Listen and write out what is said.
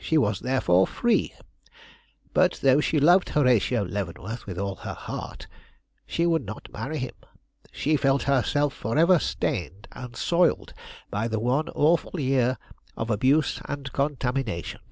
She was, therefore, free; but though she loved Horatio Leavenworth with all her heart, she would not marry him. She felt herself forever stained and soiled by the one awful year of abuse and contamination.